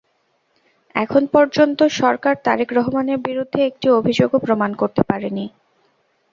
এখন পর্যন্ত সরকার তারেক রহমানের বিরুদ্ধে একটি অভিযোগও প্রমাণ করতে পারেনি।